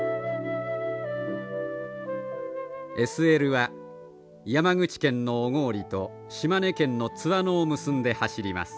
ＳＬは山口県の小郡と島根県の津和野を結んで走ります。